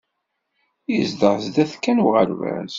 Yezdeɣ sdat kan uɣerbaz.